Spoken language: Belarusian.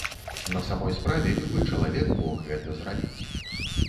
На самой справе, любы чалавек мог гэта зрабіць.